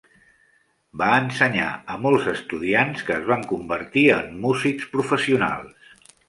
Va ensenyar a molts estudiants que es van convertir en músics professionals.